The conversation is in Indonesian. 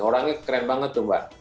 orangnya keren banget tuh mbak